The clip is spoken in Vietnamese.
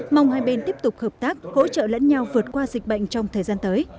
mong hai bên tiếp tục hợp tác hỗ trợ lẫn nhau vượt qua dịch bệnh trong thời gian tới